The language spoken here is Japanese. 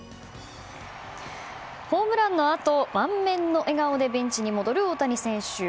ホームランのあと、満面の笑顔でベンチに戻る大谷選手。